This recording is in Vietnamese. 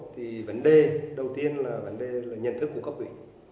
thì vấn đề đầu tiên là vấn đề là nhân thức của các vị